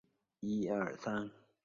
通假字使得文章很难读懂。